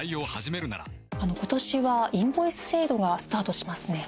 今年はインボイス制度がスタートしますね。